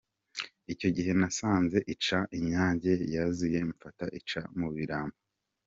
Icyo gihe nasanze ica I Nyange yuzuye mfata ica mu Birambo.